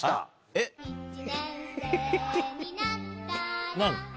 えっ？何？